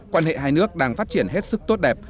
quan hệ hai nước đang phát triển hết sức tốt đẹp